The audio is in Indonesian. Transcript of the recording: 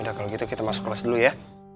yaudah kalo gitu kita masuk kelas dulu ya